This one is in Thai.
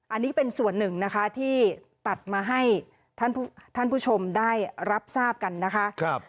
อันนี้เป็นส่วนหนึ่งนะคะที่ตัดมาให้ท่านผู้ชมได้รับทราบกันนะคะ